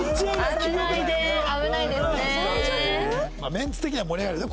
メンツ的には盛り上がるよね。